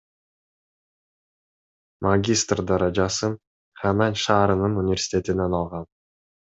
Магистр даражасын Хэнань шаарынын университетинен алгам.